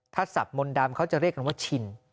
ถ้าศัพท์มนต์ดำเขาจะเรียกกันว่าชิน